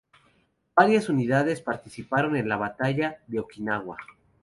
Varias unidades participaron en la Batalla de Okinawa.